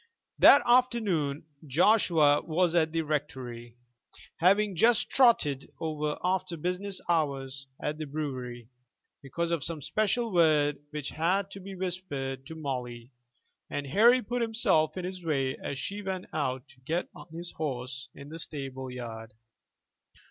That afternoon Joshua was at the rectory, having just trotted over after business hours at the brewery because of some special word which had to be whispered to Molly, and Harry put himself in his way as he went out to get on his horse in the stable yard.